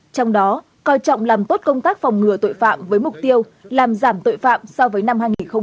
trong đó coi trọng làm tốt công tác phòng ngừa tội phạm với mục tiêu làm giảm tội phạm so với năm hai nghìn hai mươi ba